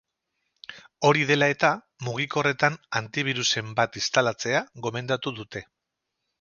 Hori dela eta, mugikorretan antibirusen bat instalatzea gomendatu dute.